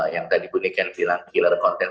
yang tadi ibu nikan bilang killer content